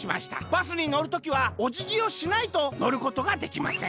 バスにのる時はおじぎをしないとのることができません」。